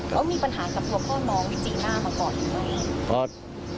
แล้วมีปัญหากับพ่อน้องวิจีนหน้าของก่อนอยู่ไหน